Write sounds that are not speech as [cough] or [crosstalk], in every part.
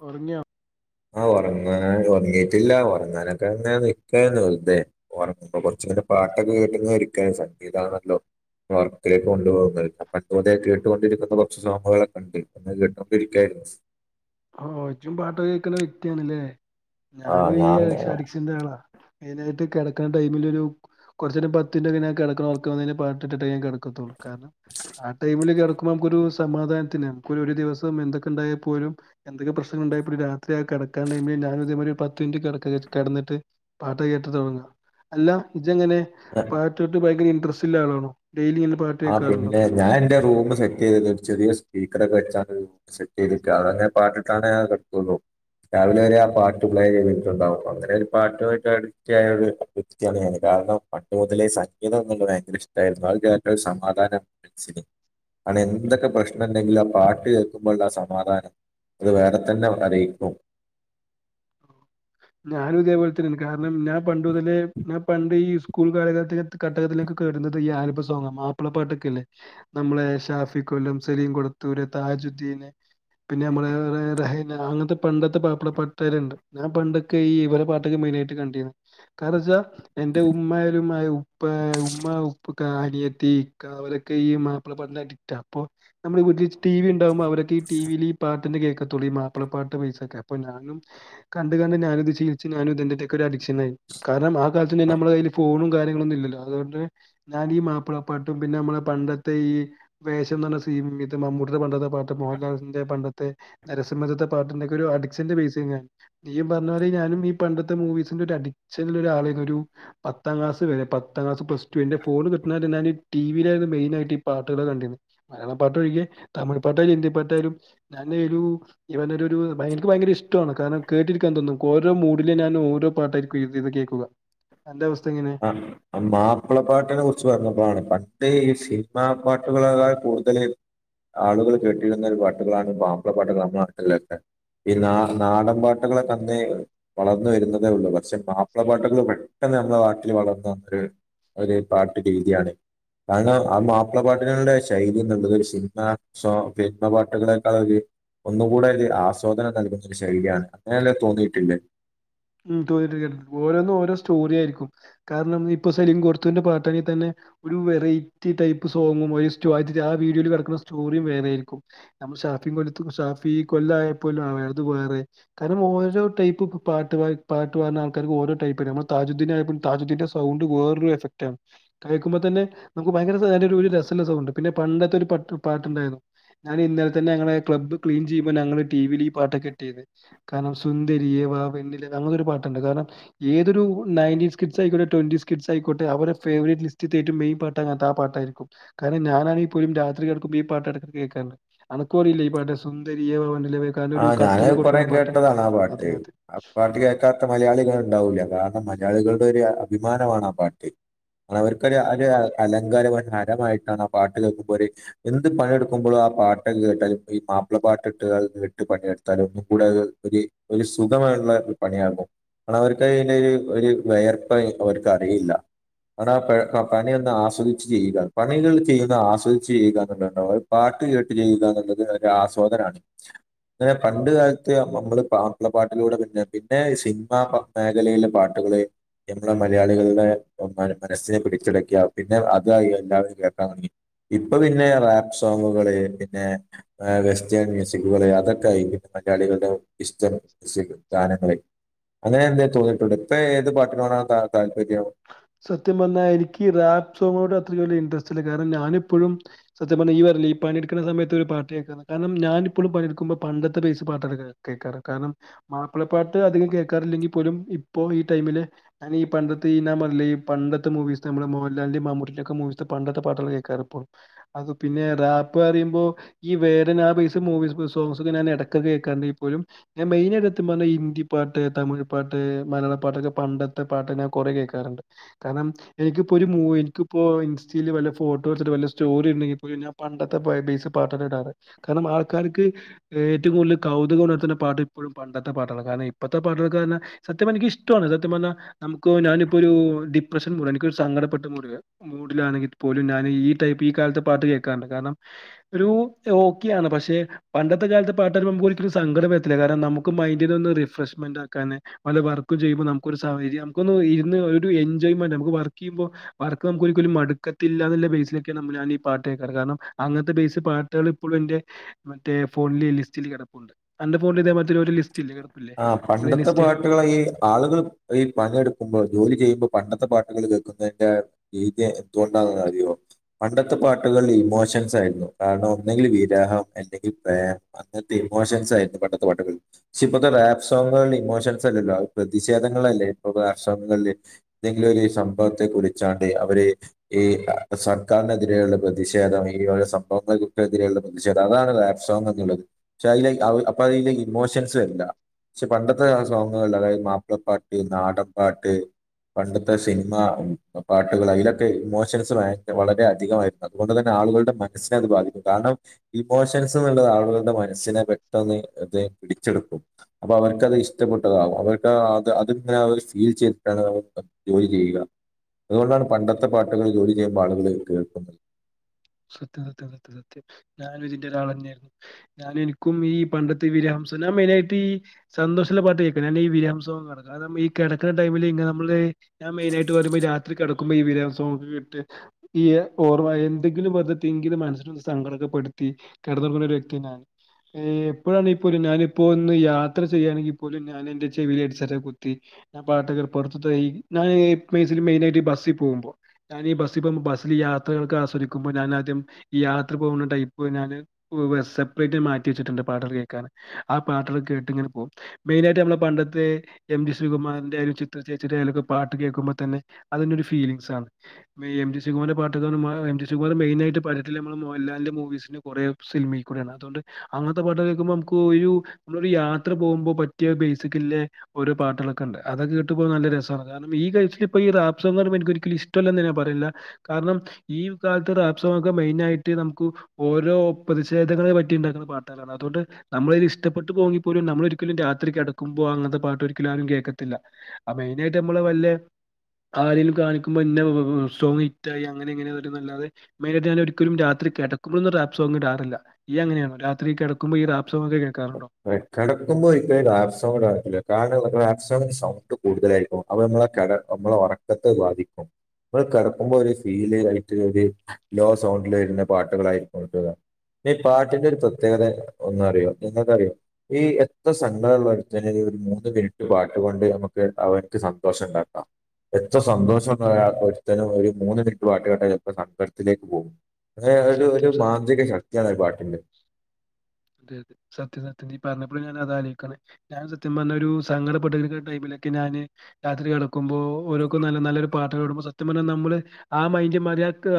പറഞ്ഞാ ആ ഉറങ്ങാൻ ഉറങ്ങിട്ടില്ല ഉറങ്ങാനൊക്കെന്ന നിക്കാരുന്നു ഉറങ്ങുമ്പ കുറച്ച ആ പാട്ടൊക്കെ കേട്ടി ഇരിക്കാനൻ സ സംഗീ ഇതാണല്ലോ വർക്കിലേക്ക് കൊണ്ടുപോകുന്നത് പട്ടുത കേട്ടുകൊണ്ടിരിക്കുന്ന ഭക്ഷസവാമുകളൾൊക്കെ ഉണ്ട് ഒന്ന് കേട്ടുകൊണ്ടിരിക്കായിരുന്നു [inaudible] ആഹ ഒറ്റും പാട്ടോ കേക്കല വ്യക്തിയണല്ലേ ആ ഞാനും ഈ ഞാൻ അഡിക്ഷന്റെ ആളാ മെയിന ആായിട്ട് കിടക്കുന്ന ടൈമിൽ ഒരു കുറച്ച പത്തിിടക്ക പട്ട കിടക്കത്തുള്ളൂ കാരണം ആ ൈമ ന നമുക്കൊ ഒരു സമാധാനത്തിന് ഒരു ദിവസം എന്തൊക്കെ ഉണ്ടായാൽ പോലും എന്തൊക്കെ പ്രശ്നങ്ങള ഉണ്ടായ ഇപ്പോ രാത്രി ആ കിടാൻ ടൈമിൽ ഞാൻ ഉദ്യം ഒരു പത്ത് മിനിറ്റ് കട കിന്നിട്ട് പാട്ട കേ ട അല്ല ഇത്ങ്ങനെ പാട്ടോട്ട് ഭയങ്കര ഇൻട്രസ്റ്റ് ഇല്ല ആളാണോ ഡെയിലി ഇങ്ങനെ പാട്ട് ആ് കേൾക്കാറുണ്ടോ പിന്നെ ഞാ എൻന്റെ റൂം് സെറ്റ് ചെയ്തി ഒരു ചെറിയ സ്പീക്കർ ഒക്കെ വെച്ചാണ് സെറ്റ് ചെയ്തിരിക്ക അതങ്ങനെ പാട്ടിട്ടാനുകിട ക്കുള്ളൂ രാവിലെ വരെ ആ പാട്ട് പ്ലേ ചെയ്തിട്ടുണ്ടാവും അങ്ങനെ ഒരു പാട്ടമായിട്ട് അഡിക്റ്റാണ് കാരണം പട്ടു മുതലേ സംഗീതം എന്ന ഭയങ്കര ഇഷ്ടമായിരുന്നു ആ ചേറ്റരു സമാധാനം മനസ്സിന് അളിയാ എന്തൊക്കെ പ്രശ്നുണ്ടെങ്കിലും ആ പാട്ട് കേൾക്കുമ്പോള്ള സമാധാനം അത് വേറെ തന്നെ അറിയിക്കും ഞാനും ഇതേപോലെ തന്നെയാണ് കാരണം ഞാൻ പണ്ട് മുതലെ ഞാൻ പണ്ട് ഈ സ്കൂൾ കാലാഘട്ടകത്തിലേക്ക് കേട ഈ ആൽബ സോങ്ങാ മാപ്പിളപ്പാട്ടൊക്കെല്ലേ നമ്മളെ ഷാഫി കൊല്ലം സലീം കൊടുത്തുർ താജുദ്ധീ ൻ പിന്നെ നമ്മുടെ റഹൈൻ അങ്ങനത്തെ പണ്ടത്തെ മാപ്പിള പട്ടെരുണ്ട് ഞാൻ പണ്ടൊക്കെ ഈ ഇവരെ പാട്ടൊക്കെ മെയിനായിട്ട് കണ്ടിന്ന് കാരണം വെച്ചാ എന്റെ ഉമ്മയും ഉമ്മയും ഉപ്പ ഉമ്മ ഉപ്പൊക്ക അനിയത്തി അവരോക്കെ ഈ മാപ്പിള പട്ടിന് അഡിക്റ്റാ അപ്പൊ നമ്മൾ ടി വി ഉണ്ടാവമ്പോ അവ ക്ക് ടിവിയിൽ ഈ പാട്ടൊക്കെ കേക്കത്തുള്ളൂ ഈ മാപ്പിള പാട്ട് പൈസൊക്കെ അപ്പൊ ഞാനും കണ്ട് കണ്ട് ഞാനും ഇത് ശീലിച് ഞാനും എനത്തെക്കൊരു ഒരു അഡിക്ഷൻ ആയി കാരണം ആ കാലത്ത് നമ്മളെ കൈൽ ഫോണും കാര്യങ്ങളൊന്നും ഇല്ല അതുകൊണ്ട് ഞാൻ ഈ മാപ്പിളപ്പാട്ടും പിന്നെ നമ്മുടെ പണ്ടത്തെ ഈ വേഷം എന്നാ സി ഈ ഇത് മമ്മൂട്ടിയുടെ പണ്ടത്തെ പാട്ട് മോഹൻലാലിന്റെ പണ്ടത്തെ നരസിംഹതത്തെ പാട്ടിന്റെക്കെ ഒരു അഡിക്ഷന്റെ ബേസ് ഞാൻ നീ പറഞ്ഞ പോലെ ഞാനും ഈ പണ്ടത്തെ മൂവിസിന്റെ ഒരു അഡിക്ഷനൽ ഒരാളായി ഒരു പത്താം ക്ലാസ് വരെ പത്താം ക്ലാസ്സ് പ്ലസ് ടു എന്റെ ഫോണ് കിട്ടണ വരെ ഞാന് ടിവിയിലായിരുന്നു മെയിനായിട്ട് ഈ പാട്ടുകൾ കണ്ടി മലയാള പാട്ടോഴ് തമിഴ് പാട്ടായാലും ഹിന്ദി പാട്ടായാലും ഞാന് ഒരു ഈ പറഞ്ഞ ഒരു എനിക്ക് ഭയങ്കര ഇഷ്ടമാണ് കാരണം കേട്ടിരിക്കാൻ തോന്നും ഓരോ മൂഡിലും ഞാൻ ഓരോ പാട്ടായിരിക്കും ഇ ഇത് കേൾക്കുക എന്റെവാസ്ഥ ആഹ് മാപ്പിളപ്പാട്ടിനെ കുറിച്ച് പറഞ്ഞപ്പോഴാണ് പണ്ടേ ഈ സി- നിമ പാട്ടുകളകാൾ കൂടുതല് ആളുകൾ കെട്ടിയിടുന്നൊരു പാട്ടുകളാണ് മാപ്പിള പട്ടുകൾ നമ്മള്ടെ നട്ടില്ലക്കെ ഈ നാ നാടൻ പാട്ടുകളൊക്കെ അന്നെ വളർന്ന് വരുന്നതേ ഉള്ളൂ പക്ഷെ മാപ്പിള പാട്ടുകൾ പെട്ടെ ന്ന് നമ്മളെ നാട്ടിൽ വളർന്ന ഒരു ഒരു പാട്ടു രീതിയാണ് കാരണം ആ മാപ്പിള പാട്ടിനുടെ ശൈലി എന്നുള്ളത് സിനിമ സോങ് സിനിമ പാട്ടുകളെക്കാളോക്കെ ഒരു ഒന്നുകൂടെ ഇത് ആസ്വാദനം നൽകുന്ന ശരിയാണ് അങ്ങനെയല്ലേ തോന്നിയിട്ടില്ലേ ഉം തോന്നിട്ട് ഓരോന്നും ഓരോ സ്റ്റോറിയായിരിക്കും കാരണം ഇപ്പൊ സെലിം കൊടത്തുറിന്റെ പാട്ടാണങ്കിൽ തന്നെ ഒരു വെറൈറ്റി ടൈപ്പ് സോങ്ങും ആ വീഡിയോയിൽ കിടക്കുന്ന സ്റ്റോറിയും വേറെ ആയിരിക്കും ഷാഫി കൊല്ലത്ത് ഷാഫി കൊല്ലായ പോലും ആത് വേറെ കാരണം ഓരോ ടൈപ്പ് പാ പാട്ട് പാടുന്ന ആൾക്കാർക്ക് ഓരോ ടൈപ്പ് നമ്മ താജദ്ദീൻ ആയ താജദ്ധിന്റെ സൗണ്ട് വേറൊരു എഫക്റ്റണ് കേൾക്കുമ്പോ തന്നെ നമുക്ക് ഭയങ്കര ഒരു രസ രസവുള്ള സൗണ്ട് പിന്നെ പണ്ടത്തെ ഒരു പട്ട് പാട്ടുണ്ടായിരുന്നു ഞാൻ ഇന്നലെ തന്നെ ഞങ്ങള ക്ലബ് ക്ലീൻ ചെയ്യുമ്പോ ഞങ്ങള് ടിവിൽ ഈ പാട്ടൊക്കെ ഇട്ടിരുന്ന് കാരണം സുന്ദരിയെ വാ വെണ്ണിലാ അങ്ങനൊരു പാട്ടുണ്ട് കാരണം ഏതൊരു നായൻറ്റിസ് കിഡ്സ്‌ ആയിക്കൊട്ടെ ട്വന്റിസ് കിഡ്സ്‌ ആയിക്കോട്ടെ അവർടെ ഫേവറൈറ്റ്സ് ലിസ് ഏറ്റവും മെയിൻ പാട്ട് അയ്നാത്ത് ആ പാട്ടായിരിക്കും കാരണം ഞാനാണെങ്കിൽ പോലും രാത്രി കിടക്കുമ്പോ ഈ പാട്ടടാക്ക് കേക്കാണ്ട് അനക്കുവറിയില്ലേ ഈ പാട്ട് സുന്ദരിയെ വാ വേ കാരണം ഒരു ആഹ് കത്തൊക്കെ ഞാനും കുറെേ കൊടുക്കുന്ന പാട്ട്. കേട്ടതാണ് ആ അതെ പാട്ട് അതെ. ആ പാട്ട് കേ ക്കാത്ത മലയാളികൾ ഉണ്ടാവൂല്ല കാരണം മലയാളികളുടെ ഒരു അഭിമാനമാണ് ആ പാട്ട് അവർക്കൊരു അലങ്കാരം ഹരമായിട്ടാണ് ആ പാട്ട് കേൾക്കുമ്പോ ഒരു എന്ത് പണിയെടുക്കുമ്പോഴും ആ പാട്ട് കേട്ടാ ഈ മാപ്പിള പാട്ട് ഇട്ടുക കേ ട്ട് പണിയെടുത്താലും ഒന്നു കൂട ഒരു ഒരു സുഖമുള്ള ഒരു പണിയാകും കാരണം അവർക്ക് അയിന് ഒരു ഒരു വിയർപ്പ് അവർക്ക് അറിയില്ല അണ പണിന്ന് ആസ്വദിച്ച് ചെയ്യുക പണികൾ ചെയ്യുന്ന ആസ്വദിച്ച് ചെയ്യുക എന്നണ്ട ഒരു പാട്ട് കേട്ട് ചെയ്യുക എന്നുള്ളത് ഒരു ആസ്വാദനാണ് അങ്ങനെ പണ്ട് കാലത്ത് നമ്മള് മാപ്പിള പാട്ടിലൂടെ പിന്നെ പിന്നെ സിനിമ മേഖലെലെ പാട്ടുകള് നമ്മളെ മലയാളികളുടെ മനസ്സിനെ പിടിച്ചടക്കിയ പിന്നെ അതായി എല്ലാവരും കേക്കാൻ തുടങ്ങി ഇപ്പൊ പിന്നെ റാപ്പ് സോങ്ങുകള് പിന്നെ വെസ്റ്റേൺ മ്യൂസിക്കുകള് അതൊ ക്കെയായി പിന്നെ മലയാളികളുടെ ഇഷ്ടം മ്യൂസിക് ഗാനങ്ങളായി അങ്ങനെ എന്തേലും തോന്നിട്ടുണ്ടോ ഇപ്പൊ ഏത് പാട്ടിനോടാണ് ത താല്പര്യം സത്യം പറഞ്ഞൽ എനിക്ക് റപ്പ് സോങ്ങിനോട്‌ അത്ര വലിയ ഇൻട്രസ്റ്റ് ഇല്ല കാരണം ഞാനിപ്പോഴും സത്യം പറഞ്ഞ ഈ പണിടുക്കുന്ന സമയത്ത് ഒരു പാട്ട് കേൾക്ക കാരണം ഞാനിപ്പോഴും പണിയെടുക്കുമോ പണ്ടത്തെ ബേസ് പാട്ട കേൾക്കാറ് കാരണം മാപ്പിളപ്പാട്ട് അധികം കേൾക്കാറില്ലെങ്കിൽ പോലും ഇപ്പോ ഈ ടൈമില് ഞാൻ ഈ പണ്ടത്തെ ഈ പണ്ടത്തെ മൂവീസ് നമ്മള് മോഹൻലാലിന്റെ മമ്മൂട്ടിലക്കെ മൂവിീസ് പണ്ടത്തെ പാട്ടുകൾ കേൾക്കാറ ഇപ്പോൾ അത് പിന്നെ റാപ്പ് പറയുമ്പോ ഈ വേടൻ ആ പൈസ് മൂവി സോങ്‌സ് ഒക്കെ ഞാൻ ഇടക്ക കേൾക്കാർണ്ട് ഇപ്പളും മെയിനായിയിട്ട് എത്ത് പറഞ്ഞൽ ഹിന്ദി പാട്ട് തമിഴ് പാട്ട് മലയാള പാട്ടൊക്കെ പണ്ടത്തെ പാട്ട് ഞാൻ കുറെ കേൾക്കാറുണ്ട് കാരണം എനിക്കിപ്പോ ഒരു മൂവി എനിക്കിപ്പോ ഇൻസ്റ്റയിയില് വല്ല ഫോട്ടോ എടുത്തിട്ട് വല്ല സ്റ്റോറി ഇടണങ്കിപ്പോ ഞാൻ പണ്ടത്തെ ബേസ് പാട്ട ഇടാറ്, കാരണം ആൾക്കാർക്ക് ഏറ്റവും കൂടുതൽ കൗതുകം ഉണർത്തുന്ന പാട്ട ഇപ്പഴും പണ്ടത്തെ പാട്ടാണ്, കാരണം ഇപ്പഴത്ത പാട്ടൊലൊക്കെ പറഞ്ഞ സത്യംപറഞ്ഞ എനിക്ക് ഇഷ്ടമാണ് സത്യം പറഞ്ഞ നമുക്ക് ഞാനിപ്പോ ഒരു ഒരു ഡിപ്രഷൻ മൂഡ് എനിക്കൊരു സങ്കടപ്പെട്ട് മൂഡിലാണെങ്കിപോലും ഞാൻ ഈടൈപ്പ് ഈ കാലത്തെ പാട്ട് കേൾക്കാറണ്ട് കാരണം ഒരു ഓക്കെയാണ് പക്ഷെ പണ്ടത്തെ കാലത്തെ പാട്ട് പറിമ്പോ നമുക്കൊരിക്കലും ഒരു സങ്കടം വത്തില്ല കാരണം നമുക്ക് നമുക്ക് മൈന്റിന് ഒന്ന് റിഫ്രഷ്മെന്റ് ആക്കാൻ വെല്ല വർക്കും ചെയ്യുമ്പോ നമുക്കൊരു സൗകര്യം നമുക്കൊന്നിരുന്ന് എൻജോയ്മെന്റ് വർക്ക് ചെയുമ്പോ വർക്ക് നമുക്കൊരിക്കലും മടുക്കത്തില്ല എന്ന ബേസിൽ ആണ് നമ്മൾ ഈ പാട്ട് കേക്കാർ അന്നത്തെ ബേസ് പാട്ട് ഇപ്പഴും എന്റെ മറ്റെ ഫോണിൽ ലിസ്റ്റിൽ കിടക്കണ്ട്, എന്റെ ഫോണിൽ ഇതേ പോലെ ഒരു ലിസ്റ്റ് ഇല്ലേ കിടപ്പില്ലേ ആ പണ്ടത്തെ പ്ലേലിസ്റ്റ് പാട്ടുകളായി ഈ ആളുകൾ ഈ പണെടുക്കുമ്പോ ജോലി ചെയ്യുമ്പോ പണ്ടത്തെ പാട്ടുകൾ കേൾക്കുന്നതിന്റെ രീതിയ എന്തുകൊണ്ടാന്ന അറിയോ പണ്ടത്തെ പാട്ടുകളിൽ ഇമോഷൻസ് ആയിരുന്നു കാരണം ഒന്നെങ്കിൽ വിരഹം എന്തെങ്കിൽ പ്രേമം അങ്ങനത്തെ ഇമോഷൻസായിരിന്നു പണ്ടത്തെ പാട്ടുകളിൽ, പക്ഷെപ്പോ ഇപ്പൊത്തെ റാപ്പ് സോങ്ങുകളിൽ ഇമോഷൻസ് അല്ലല്ലോ പ്രതിഷേധങ്ങളല്ലേ ഇപ്പൊ റാപ്പ് സോങ്ങുകളില് എന്തെങ്കിലും ഒരു സംഭവത്തെ കുറിച്ചാണ്ട് അവര് ഈ സർക്കാരിനെതിരെയുള്ള പ്രതിഷേധം ഈവക സം തിരെയുള്ള പ്രതിഷേധം അതാണ് റാപ് സോങ് എന്നുള്ളത് പക്ഷെ അതിൽ അപ്പൊ അതില ഇമോഷൻസ് വരണ്ട പക്ഷെ പണ്ടത്തെ സോങ്ങുകൾ അതായത് മാപ്പിളപ്പാട്ട് നാടൻപാട്ട് പണ്ടത്തെ സിനിമ പാട്ടുകൾ അതിലൊക്കെ ഇമോഷൻസ് വളരെ അധികമായിരുന്നു അതുകൊണ്ട് തന്നെ ആളുകളുടെ മനസ്സിനെ അത് ബാധിക്കും കാരണം ഇമോഷൻസ് എന്നുള്ളത് ആളുകളുടെ മനസ്സിനെ പെട്ടെന്ന് ഇത് പിടിച്ചെടുക്കും അപ്പൊ അവർക്കത് ഇഷ്ടപ്പെട്ടതകും അവർക്ക് അത് അവര് ഫീൽ ചെയ്തിട്ട് ജോലി ചെയ്യും അതുകൊണ്ടാണ് പണ്ടത്തെ പാട്ടുകൾ ജോലി ചെയ്യുമ്പോൾ ആളുകൾ കേൾക്കുന്നത് സത്യം സത്യം സത്യം സത്യം ഞാനൻ ഇതിന്റെ ഒരാൾ തന്നെയായിയിരുന്നു ഞാൻ എനിക്കും ഈ പണ്ടത്തെ വിരഹം ഞാൻ മെയിനായിട്ട് ഈ സന്തോഷള്ള പാട്ട് കേൾക്കും ഞാനി ഈ വിരാഹ സോങ്ങാണ് കാരണം ഈ കിടക്കുന്ന ടൈമിൽ നമ്മള് ഞാൻ മെയിന് ആായിട്ട് പറയുമ്പോ രാത്രി കിടക്കുമ്പോ ഈ വിരഹ സോങ്ങൊക്കെിട്ട് ഈ ഓർമ്മ എന്തെങ്കിലും വെറുതെ തിങ്ക് ചെയ്ത് മനസ്സിന് സങ്കടൊക്കെ പെടുത്തി കിടന്നുറങ്ങുന്ന ഒരു വ്യക്തിയാണ് എപ്പോഴാാണ് ഈ പോലും ഞാനിപ്പോ ഒന്ന് യാത്ര ചെയ്യുകയാണെങ്കിൽ പോലും ഞാൻ എൻറെ ചെവിയിൽ ഹെഡ്സെറ്റ് ഒക്കെ കുത്തി ഞാൻ പാട്ടൊക്കെ മെയിനായിയിട്ട് ബസ്സിൽ പോകുമ്പോ ഞാഞ്ഞി ഈ ബസിൽ പോക്പോ ബ യാത്രകൾക്ക് ആസ്വദിക്കും ക്കുമ്പോൾ ഞാൻ ആദ്യം യാത്ര പോകുന്ന ടൈപ്പ് സെപ്പറേറ്റ് മാറ്റി വച്ചിട്ടുണ്ട് പാട്ടൊക്കെ കേൾക്കാൻ ആ പാട്ടുകൾ കേട്ട് ഇങ്ങനെ പോകും മെയിനായിട്ട് നമ്മളെ പണ്ടത്തെ എം ജി ശ്രീകുമാറിന്റെ ചിത്ര ചേച്ചി ന്റെ പാട്ട് കേൾക്കുമ്പോ തന്നെ അതിന്റെ ഒരു ഫീലിങ്സാണ് എം ജി ശ്രീകുമാറിന്റെ പാട്ട് അതുപോലെ മെയിനായി പണ്ടത്തെ പ നമ്മടെ മോൻലാലിന്റെ മൂവിസിന് കുറെ സിനിമയിൽ കൂടെയാണ്. അതോണ്ട് അങ്ങനത്തെ പാട്ട് കേൾകുമ്പോ ഒരു നമ്മൾ യാത്ര പോകുമ്പോ പറ്റിയ ബേസക്കെള്ള ഓരോ പാട്ടുകളൊക്കെ ഉണ്ട്. അതൊക്കെ കേക്കുമ്പോൾ നല്ല രസമാണ് കാരണം ഈ കേസിൽ ഇപ്പോ ഈ രാപ്പ് സോങ് പറയുമ്പോ എനക്ക് ഒരിക്കലും ഇഷ്ടമല്ലെന്ന് ഞാൻ പറയൂല കാരണം ഈ ഈ കാലത്ത് റാപ്സൊക്കെ മെയിൻ ആയിട്ട് നമുക്ക് ഓരോ പ്രതിഷേധങ്ങളെ പറ്റി ഉണ്ടാക്കുന്ന പാട്ടുകൾ ആണ്, അതോണ്ട് നമ്മള ഇഷ്ടപ്പെട്ട് പോവുങ്ങിപ്പോലും നമ്മളൊരിക്കലും രാത്രി കടക്കുമ്പോ അങ്ങനത്തെ പാട്ട് ഒരിക്കലും ആരും കേക്കത്തില്ല മെയിനായിട്ട് നമ്മള് വെല്ല ആരേലും കാണിക്കുമ്പോ ഇന്നെ വാ സോങ്ങും ഹിറ്റായി അങ്ങനെങ്ങനെ അല്ലാതെ മെയിനായിട്ട് ഞാനൊരിക്കലും രാത്രി കിടുമ്പോളൊന്നും റാപ്പ് സോങ് ഇടാറില്ല ഇയ്യ് അങ്ങനെയാണോ?. രാത്രി കിടക്കുമ്പോ ഈ റാപ്പ് സോങ്ങൊക്കെ കേൾക്കാറുണ്ടോ? കിടക്കുമ്പോ ഒരിക്കലും റാപ്പ് സോങ് ഇടാറില്ല, കാരണം പറഞ്ഞ റാപ്പ് സോങ്ങിന്ന് സൗണ്ട് കൂടുതലായിരിക്കും. അത് നമ്മളെ നമ്മളെ ഉറക്കത്തെ ബാധിക്കും. നമ്മൾ കിടക്കുമ്പോ ഒരു ഫീല് ആയിട്ട് ഒരു ലോ സൗണ്ടിൽ വരുന്ന പാട്ടുകളായിരിക്കും ഇടുക. ഈ പാട്ടിന്റെ ഒരു പ്രത്യേകത ഒന്ന് അറിയോ ഇങ്ങക്കറിയോ?. ഈ എത്ര സങ്കടം ഉള്ളരുത്തന് ഒരു മൂന്ന് മിനിറ്റ് പാട്ടുകൊണ്ട് നമുക്ക് അവൻക്ക് സന്തോഷണ്ടാക്കാം. എത്ര സന്തോഷം ഉള്ള ഒരുത്തനും ഒരു മൂന്ന് മിനിറ്റ് പാട്ടുകേട്ടാൽ ചിലപ്പോ സങ്കടത്തിലേക്ക് പോകും. അങ്ങനെ ഒരു ഒരു സത്യം സത്യം. മാന്ത്രിക ശക്തിയാണ് പാട്ടിന്റെ. അതെ അതെ സത്യ സത്യം ഇയ്യ് പറഞ്ഞപ്പോഴാ ഞാനത് ആലോചിക്കണ്, ഞാൻ സത്യം പറഞ്ഞ ഒരു സങ്കടപെട്ടിരിക്കുന്ന ടൈമിൽ ഒക്കെ ഞാന് രാത്രി കടക്കുമ്പോൾ ഓരോക്കും നല്ല നല്ലൊരു പാട്ട്ാടുമ്പോ സത്യം പറഞ്ഞൽ നമ്മള് ആ മൈന്ഡ മാ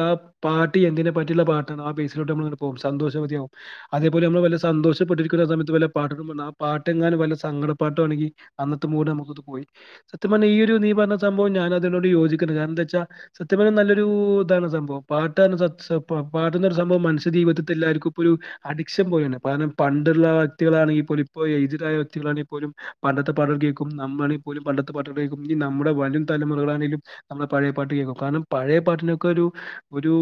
ആ പാട്ട് എന്തിനെ പറ്റിയുള്ള പാട്ടാണ് ആ പേസിലോട്ട് നമ്മ പോും സന്തോഷ മതിയാവുംും അ [unintelligible] നമ്മള് വല്ല്യ സന്തോഷപ്പെട്ടിരിക്കണ സയത്ത് വല്ല പാട്ട്ട് വന്ന ആ പാട്ടെങ്ങണം വല്ല സങ്കട പാട്ടുവാണെങ്കി അന്നത്തെ മൂട അകത് പോയി സത്യം പറഞാ ഈ ഒരു നീ പറഞ്ഞ സംഭവം ഞാനതിനോട് യോജിക്കുന്നത് കാരണം എന്താ വെച്ചാ സത്യം പറഞ്ഞാ നല്ലൊരു പോം ഇതാണ് സംഭവം പാട്ടാണ് സംഭവം പാട്ടുന്ന സംഭവം മനഷ്യ ജീവിതത്തിൽ എല്ലാവർക്കും ഇപൊ ഒരു ക്ഷ പോയാണ് കാരണം പണ്ടുള്ള വ്യക്തികളാണെങ്കിൽ പോല ഇപ്പോ ഏജ്ഡ് ആയ വ്യക്തികളാണെങ്കി പോലും പണ്ടത്തെ പാട്ടുകൾ കേക്കും നമ്മളാണെങ്കിൽ പോലും പണ്ടത്തെ പാട്ട് കേൾക്കും ഇനി നമ്മുടെ വരും തലമുറകളാണേലും നമ്മള പഴയ പാട്ട് കേൾക്കും കാരണം പഴയ പാട്ടിനൊക്കെ ഒരു ഒരു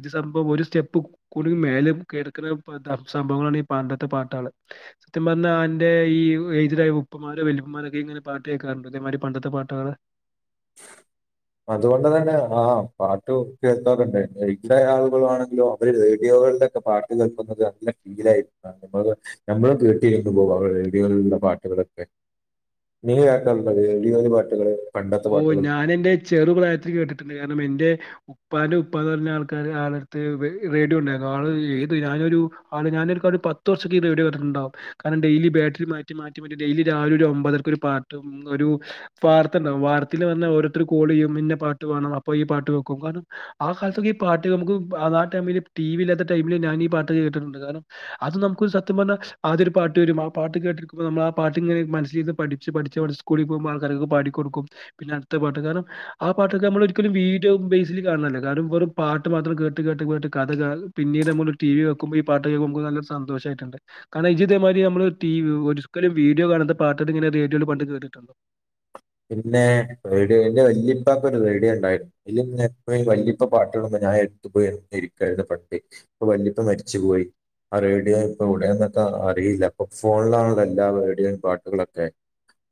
ഇത് സംഭവം ഒരു സ്റ്റെപ്പ് കൂടുല് മേലേ കേൾക്കണ സംഭവങ്ങളാണ് ഈ പണ്ടത്തെ പാട്ടുകൾ സത്യം പറഞ്ഞാ എന്റെ ഈ എഏജ്ടായ ഉപ്പമാരോ വലുപ്പമാരൊക്കെ അനെ പാട്ട് കേൾക്കാറുണ്ട് ഇതേമാതിരി പണ്ടത്തെ പാട്ടുകള് [unintelligible] അതുകൊണ്ട് തന്നെ ആ പാട്ട് കേക്കാറുണ്ട് ഏജ്ഡ് ആളുകളാണെങ്കിലും അവര്ട രീതിയാ [unintelligible] ഒക്കെ പാട്ട് കേൾക്കുന്നത് നല്ല ഫീലായി നമ്മ നമ്മൾ കേട്ടിരുന്നു പോം [unintelligible] പാട്ടുകളൊക്കെ നീ കേക്ക ലുണ്ടോ റേഡിയോയിലെ പാട്ടുകൾ പണ്ടത്തെ പാട്ട് പം ഞാൻ എന്റെ ചെറു പ്രായത്തിൽ കേട്ടിട്ടുണ്ട് കാരണം എൻറെ ഉപ്പാന്റെ ഉപ്പാന്ന് പറഞ്ഞ ആൾക്കാര് ആളടുത്ത് റേഡിയോ ഉണ്ടായിരുന്നു ആള് ഏത് ഞാനൊരു ആള് ഞാനൊരു ഒരു പത്ത് വർഷൊക്കെ ഈ റേഡിയോ കേട്ടിട്ട്ണ്ടാവും കാരണം ഡെയിലി ബാറ്ററി മാറ്റി മാറ്റി മാറ്റി ഡെയിലി രാവില ഒരു ഒമ്പതരക്കൊരു ഒരു പാട്ട് ഒരു വാർ വാർത്തിൽ വന്ന ഓരോരുത്തർ കോൾ ചെയ്യും ഇന്ന പാട്ട് വേണം അപ്പ ഈ പാട്ട് വെക്കും കാരണം ആ കാലത്തൊക്കെ പാട്ട് നമുക്ക് ആ ടൈമില് ടി വി ഇല്ലാത്ത ടൈമില് ഞാൻ ഈ പാട്ടൊക്കെ കേട്ടിട്ടുണ്ട് കാരണം അത് നമുക്കൊരു സത്യം പറഞ്ഞാ അതൊരു പാട്ട് വരും ആ പാട്ട് കേൾകുമ്പോൾ നമ്മൾ പാട്ടിങ്ങന മനസ്സില് പഠിച്ച് പഠിച്ച് നമ്മ സ്കൂളിൽ പോക്മ്പോൾ ആൾക്കാരൊക്കെ പാടി കൊടുക്കും പിന്നെ അടുത്ത പാട്ട് കാരണം ആ പാട്ടൊക്കെ നമ്മൾ ഒരിക്കലും വീഡിയോ ബേസിക് കാണണല്ല കാരണം വെറും പാട്ടും മാത്രം കേട്ട് കേട്ട് കേട്ട് കഥ കേൾ പിന്നീട് നമ്മ ടി വി വെക്കുമ്പോ ഈ പാട്ട് കേക്മ്പോ നല്ല സന്തോഷമായിട്ടൊണ്ട് കാരണം അതിത് മാതിരി നമ്മൾ ടി വി ഒരിക്കലും വീഡിയോ കാണുന്ന പാട്ടത് ഇങ്ങനെ റേഡിയോയിൽ പണ്ട് കേട്ടിട്ടുണ്ട് പിന്നെ റേഡിയോന്റെ വല്യപ്പാക്കൊരു റേഡിയോണ്ടായിരുന്നു അതിൽ വല്യപ്പ പാട്ടുകളൊന്ന് ഞാൻ എടുത്തുപോയി എ ഇരിക്കുന്ന പട്ടി അപ്പൊ വല്ലിപ്പ മരിച്ചുപോയി ആ റേഡിയോ ഇപ്പൊ എവിടെയാന്നൊക്കെ അറിയില്ല ഇപ്പൊ ഫോണിലാണല്ലോ എല്ലാ റേഡിയോയും പാട്ടുകളൊക്കെ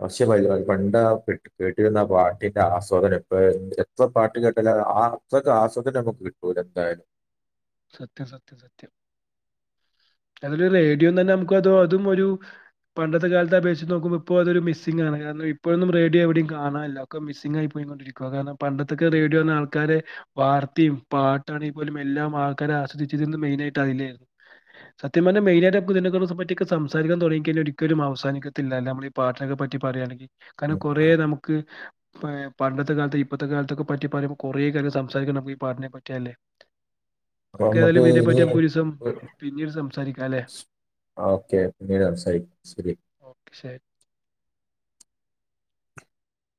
അവഷ്യ ഭായി അത് ബണ്ട കേട്ട് കേട്ടിരുന്ന പാട്ടിന്റെ ആസ്വാദനം ഇപ്പഴെ ഉം എത്ര പാട്ട് കേട്ടാലും ആഹ് അത്രക്ക് ആസ്വാദനം നമ്മ കിട്ടൂല എന്തായാലും സത്യം സത്യം സത്യം [unintelligible] റേഡിയോ തന്നെ നമ്മക്ക് അതോ അതും ഒരു പണ്ടത്തെ കാല്ത്തെ അപേക്ഷിച്ച് നോക്കുമ്പോ ഇപ്പൊ അതൊരു മിസ്സിംഗാണ് കാരണം ഇപ്പഴൊന്നും റേഡിയോ എവിടെയും കാണാന്ല്ലാ ഒക്ക മിസ്സിംഗായി പോ യി കൊണ്ടിരിക്കുവാ കാരണം പണ്ടത്തൊക്കെ റേഡിയോന്നാ ആൾക്കാര് വാർത്തിയും പാട്ടാണേ പോലും എല്ലാ ആൾ ക്കാരാസ്വദിച്ചിരുന്നു മെയിനായിട്ട് അതിലേരുന്നു സത്യം പർഞ്ഞാ മെയിനായിട്ട് [unintelligible] സംസാരിക്കാൻ തൊടങ്ങി കഴിഞ്ഞാല് ഒരിക്കലും അവസാനിക്കത്തില്ലാല്ലേ നമ്മള് ഈ പാട്ട്നൊക്കെ പറ്റി പറയാണെങ്കി കാരണം ഉം. കൊറേ നമുക്ക് ഇപ്പയെ പണ്ടത്തെ കാല്ത്തെ ഇപ്പത്തെ കാലത്തൊക്കെ പറ്റി പറിമ്പം കൊറേ കാര്യം സംസാരിക്കാ നമ്മക്ക് ഈ പാട്ടിനെ പറ്റിയാല്ലേ അപ്പം നമ്മക്ക് ഇനി [unintelligible] പിന്നീട് സംസാരിക്കാം അല്ലേ? ഓക്കെ പിന്നീട് സംസാരി ശരി ഓക്കെ ശരി.